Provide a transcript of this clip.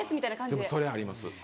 でもそれあります